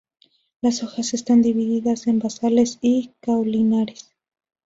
Las hojas están divididas en basales y caulinares.